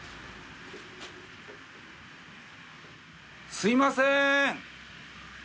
すいません。